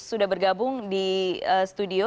sudah bergabung di studio